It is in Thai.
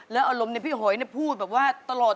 แล้วอารมณ์พี่หอยพูดแบบว่าตลอด